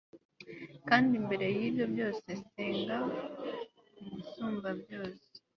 kandi mbere y'ibyo byose, senga umusumbabyose